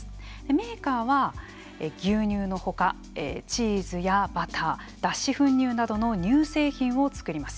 メーカーは、牛乳の他チーズやバター、脱脂粉乳などの乳製品をつくります。